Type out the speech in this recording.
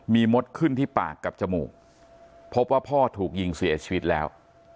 มีมดขึ้นที่ปากกับจมูกพบว่าพ่อถูกยิงเสียชีวิตแล้ว